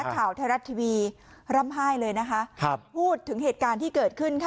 แทนรัฐทวี